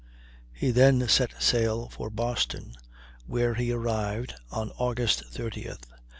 He then set sail for Boston, where he arrived on August 30th.